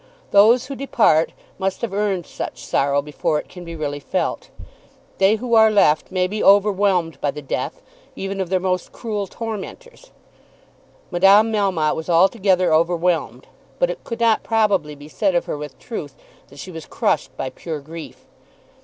Those who depart must have earned such sorrow before it can be really felt. They who are left may be overwhelmed by the death even of their most cruel tormentors. Madame Melmotte was altogether overwhelmed; but it could not probably be said of her with truth that she was crushed by pure grief.